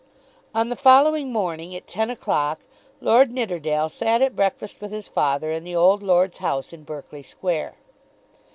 On the following morning, at ten o'clock, Lord Nidderdale sat at breakfast with his father in the old lord's house in Berkeley Square.